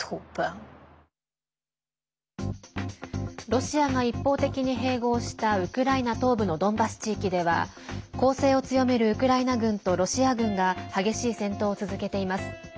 ロシアが一方的に併合したウクライナ東部のドンバス地域では攻勢を強めるウクライナ軍とロシア軍が激しい戦闘を続けています。